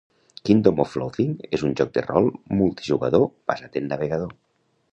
Kingdom of Loathing és un joc de rol multijugador basat en navegador